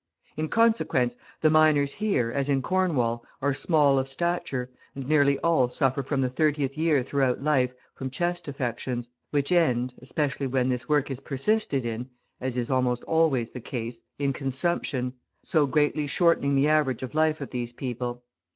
In consequence, the miners here, as in Cornwall, are small of stature, and nearly all suffer from the thirtieth year throughout life from chest affections, which end, especially when this work is persisted in, as is almost always the case, in consumption, so greatly shortening the average of life of these people.